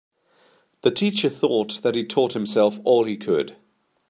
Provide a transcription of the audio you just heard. The teacher thought that he'd taught himself all he could.